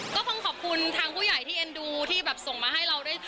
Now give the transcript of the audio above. ก็คงขอบคุณทางผู้ใหญ่ที่เอ็นดูที่แบบส่งมาให้เราด้วย